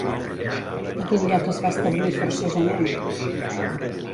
A quin lloc es va establir forçosament?